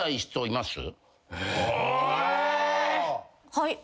はい。